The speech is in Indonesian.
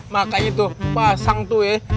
makanya pasang tuh ya